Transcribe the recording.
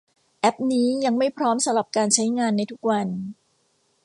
แอพนี้ยังไม่พร้อมสำหรับการใช้งานในทุกวัน